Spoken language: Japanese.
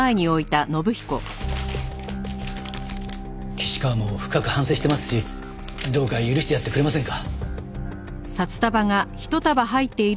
岸川も深く反省してますしどうか許してやってくれませんか？